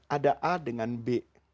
ada a dengan b